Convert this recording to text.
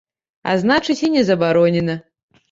А значыць, і не забаронена.